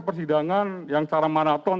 persidangan yang secara maraton